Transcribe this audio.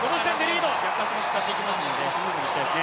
逆足も使っていきますので、スムーズにいきたいですね。